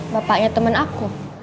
bapaknya temen aku